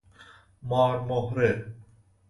مار مهره